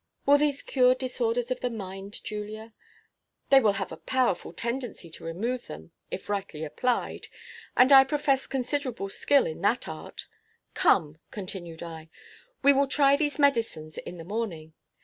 "Will these cure disorders of the mind, Julia?" "They will have a powerful tendency to remove them, if rightly applied; and I profess considerable skill in that art Come," continued I, "we will try these medicines in the morning.